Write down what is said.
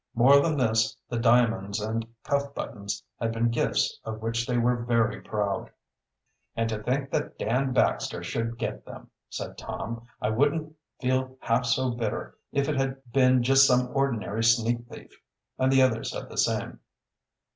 More than this, the diamonds and cuff buttons had been gifts of which they were very proud. "And to think that Dan Baxter should get them," said Tom. "I wouldn't feel half so bitter if it had been just some ordinary sneak thief." And the others said the same.